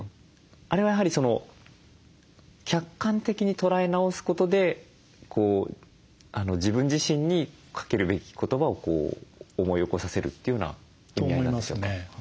あれはやはり客観的に捉え直すことで自分自身にかけるべき言葉を思い起こさせるというような意味合いなんでしょうか？と思いますね。